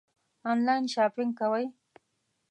آنلاین شاپنګ کوئ؟